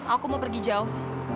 aku mau pergi jauh